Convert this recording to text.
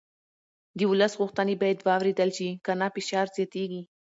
د ولس غوښتنې باید واورېدل شي که نه فشار زیاتېږي